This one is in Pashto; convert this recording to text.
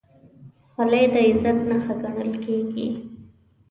خولۍ د عزت نښه ګڼل کېږي.